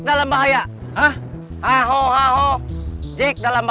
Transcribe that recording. suduh berderil lagi